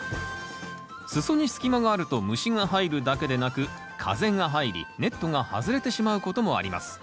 裾に隙間があると虫が入るだけでなく風が入りネットが外れてしまうこともあります。